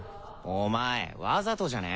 お前わざとじゃね？